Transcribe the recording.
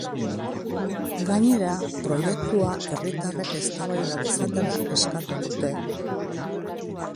Gainera, proiektua herritarrek eztabaida dezatela eskatu dute.